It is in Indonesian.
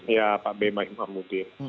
ya pak ben mahmudin